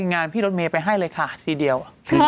งานพี่รถเมย์ไปให้เลยค่ะทีเดียว